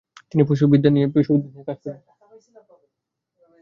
তিনি পশুবিদ্যুৎ নিয়ে কাজ করেন।